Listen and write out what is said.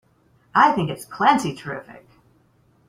I think it's plenty terrific!